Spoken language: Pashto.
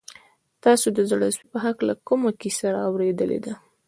تاسو د زړه سوي په هکله کومه کیسه اورېدلې ده؟